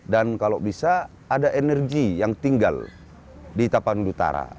dan kalau bisa ada energi yang tinggal di tapanuli utara